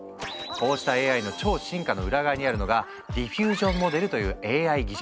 こうしたＡＩの超進化の裏側にあるのがディフュージョンモデルというＡＩ技術。